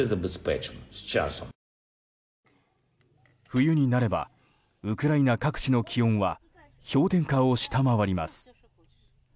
冬になればウクライナ各地の気温は氷点下を下回ります。